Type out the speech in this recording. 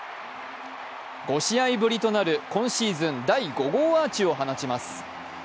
５試合ぶりとなる、今シーズン第５号アーチを放ちます。